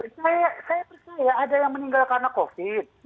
saya percaya ada yang meninggal karena covid